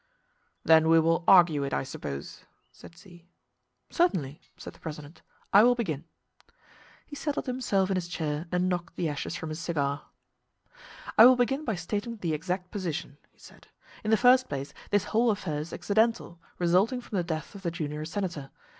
"Then we will argue it, I suppose," said Z. "Certainly," said the president. "I will begin." He settled himself in his chair and knocked the ashes from his cigar. "I will begin by stating the exact position," he said. "In the first place this whole affair is accidental, resulting from the death of the junior senator.